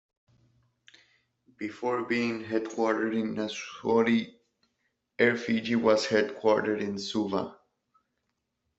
Before being headquartered in Nausori, Air Fiji was headquartered in Suva.